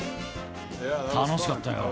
楽しかったよ。